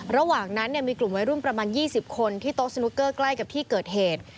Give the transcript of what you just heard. ระหว่างนั้นมีกลุ่มวัยรุ่นประมาณ๒๐คนที่โต๊ะสนุกเกอร์ใกล้กับที่เกิดเหตุ